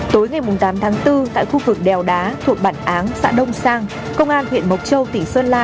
tối ngày tám tháng bốn tại khu vực đèo đá thuộc bản áng xã đông sang công an huyện mộc châu tỉnh sơn la